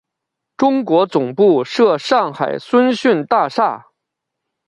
中国总部设上海沙逊大厦。